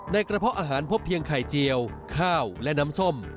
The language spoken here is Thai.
กระเพาะอาหารพบเพียงไข่เจียวข้าวและน้ำส้ม